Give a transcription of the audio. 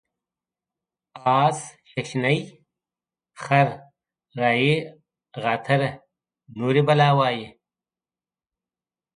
اس ششني ، خر رایي غاتر نوري بلا وایي.